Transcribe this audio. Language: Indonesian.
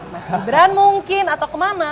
mas gibran mungkin atau kemana